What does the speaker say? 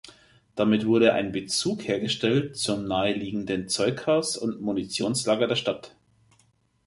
Damit wurde ein Bezug hergestellt zum naheliegenden Zeughaus und Munitionslager der Stadt.